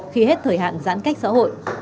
khi hết thời hạn giãn cách xã hội